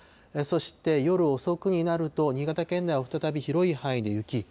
そして夜遅くになると、新潟県内は再び広い範囲で雪。